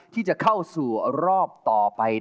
ที่จะเข้าสู่รอบต่อไป